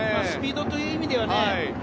スピードという意味ではね